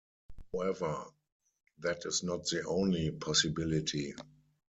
However, that is not the only possibility.